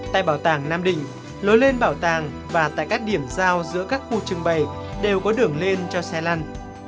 tại bảo tàng nam định lối lên bảo tàng và tại các điểm giao giữa các khu trưng bày đều có đường lên cho xe lăn